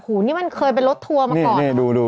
โอ้โหนี่มันเคยเป็นรถทัวร์มาก่อน